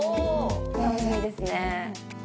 楽しみですね。